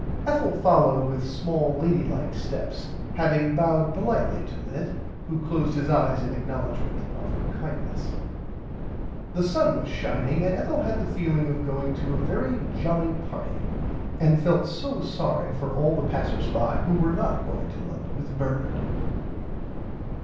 Ethel followed with small lady like steps having bowed perlitely to Minnit who closed his eyes in acknowlegment of her kindness. [Pg 76] The sun was shining and Ethel had the feeling of going to a very jolly party and felt so sorry for all the passers by who were not going to London with Bernard.